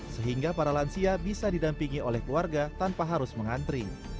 sehingga para lansia bisa didampingi oleh keluarga tanpa harus mengantri